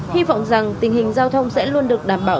hy vọng rằng tình hình giao thông sẽ luôn được đảm bảo